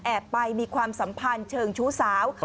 ไปมีความสัมพันธ์เชิงชู้สาว